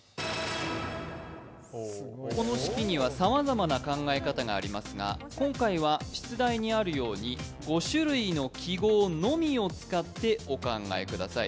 この式にはさまざまな考え方がありますが、今回は出題にあるように５種類の記号のみを使ってお考えください。